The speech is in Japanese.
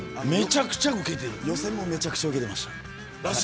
予選もめちゃくちゃウケてました。